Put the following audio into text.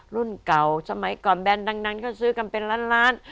รุ่นเก่าสมัยก่อนแบรนด์ดังนั้นก็ซื้อกันเป็นล้าน